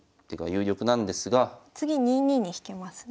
次２二に引けますね。